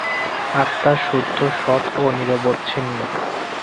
আত্মা শুদ্ধ, সৎ ও নিরবচ্ছিন্ন।